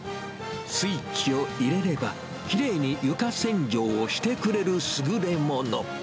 スイッチを入れれば、きれいに床洗浄をしてくれる優れもの。